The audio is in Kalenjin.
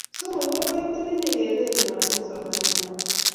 Somok, kokwet kotinye kereet ngwai eng somanet noto.